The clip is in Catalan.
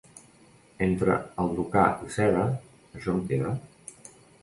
Entre alducar i seda, això em queda.